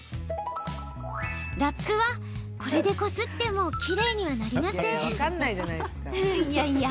ラップは、これでこすってもきれいにはなりません。